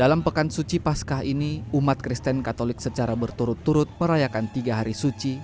dalam pekan suci paskah ini umat kristen katolik secara berturut turut merayakan tiga hari suci